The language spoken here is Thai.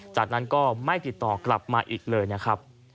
จากนั้นก็ไม่ติดต่อกลับมาอีกเลยนะครับ